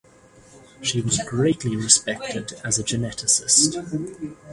She was greatly respected as a geneticist.